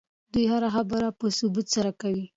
دی هره خبره په ثبوت سره کوي.